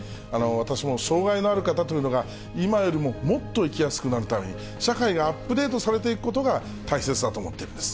私も障がいのある方というのが、今よりももっと生きやすくなるために、社会がアップデートされていくことが、大切だと思っているんです。